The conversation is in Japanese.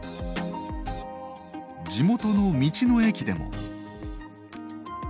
地元の道の駅でも。